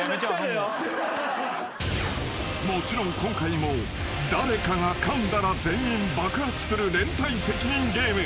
［もちろん今回も誰かがかんだら全員爆発する連帯責任ゲーム］